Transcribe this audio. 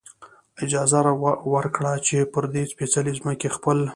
اجازه ورکړه، چې پر دې سپېڅلې ځمکې خپل.